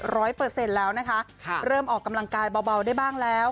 เปอร์เซ็นต์แล้วนะคะเริ่มออกกำลังกายเบาได้บ้างแล้ว